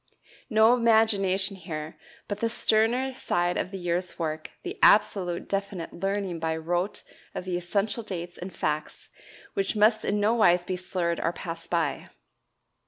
No imagination here, but the sterner side of the year's work the absolute definite learning by rote of the essential dates and facts which must in no wise be slurred or passed by.